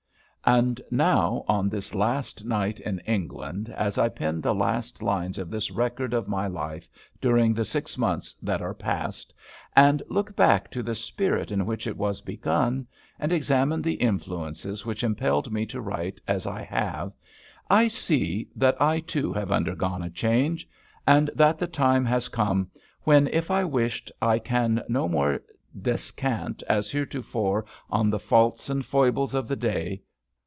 And now, on this last night in England, as I pen the last lines of this record of my life during the six months that are past, and look back to the spirit in which it was begun, and examine the influences which impelled me to write as I have, I see that I too have undergone a change, and that the time has come when, if I wished, I can no more descant as heretofore on the faults and foibles of the day.